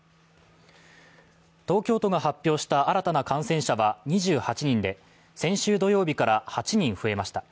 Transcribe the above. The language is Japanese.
東京都が発表した新たな感染者は２８人で、先週土曜日から８人増えました。